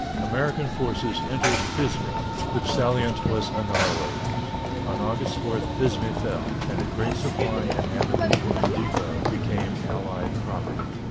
American forces entered Fismes. The salient was annihilated. On August 4 Fismes fell, and the great supply and ammunition depot became Allied property.